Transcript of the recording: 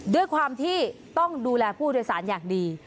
ด้วยความที่ต้องดูแลผู้โดยสารอย่างดี